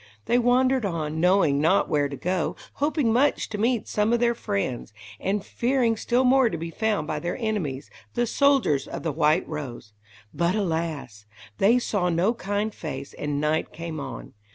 They wandered on, knowing not where to go, hoping much to meet some of their friends, and fearing still more to be found by their enemies, the soldiers of the White Rose. But, alas! they saw no kind face, and night came on.